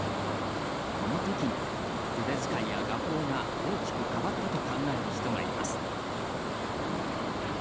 このときに、筆づかいや画法が大きく変わったと考える人がいます。